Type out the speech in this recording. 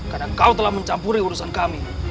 karena kau telah mencampuri urusan kami